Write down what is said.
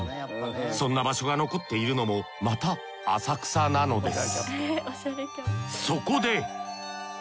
そんな場所が残っているのもまた浅草なのです。